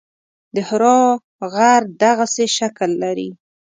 د حرا غر دغسې شکل لري.